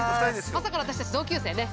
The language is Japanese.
◆まさかの私たち同級生ね。